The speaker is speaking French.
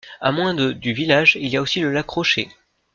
À moins de du village, il y a aussi le lac Rocher.